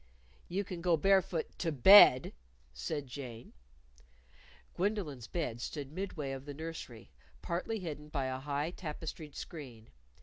"You can go barefoot to bed," said Jane. Gwendolyn's bed stood midway of the nursery, partly hidden by a high tapestried screen.